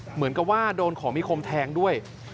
เหมือนกับว่าโดนของมีคมแทงด้วย